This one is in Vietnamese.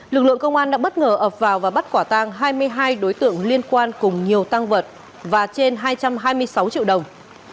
lực lượng công an đã bất ngờ ập vào và bắt quả tang hai mươi hai đối tượng liên quan cùng nhiều tăng vật và trên hai trăm hai mươi sáu triệu đồng